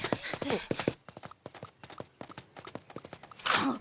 あっ！